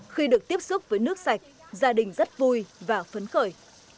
khi được tiếp xúc với nước sạch gia đình rất vui và phấn khởi